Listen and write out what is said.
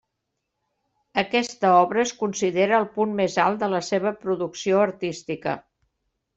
Aquesta obra es considera el punt més alt de la seva producció artística.